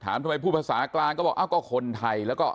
ถามทำไมพูดภาษากลางก็บอกก็คนไทย